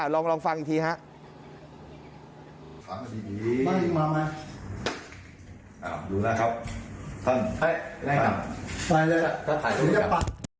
ลองฟังอีกทีครับ